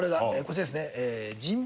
こちらですね。